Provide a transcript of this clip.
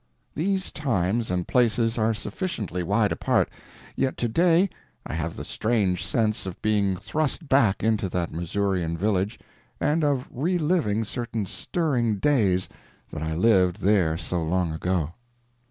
These times and places are sufficiently wide apart, yet today I have the strange sense of being thrust back into that Missourian village and of reliving certain stirring days that I lived there so long ago.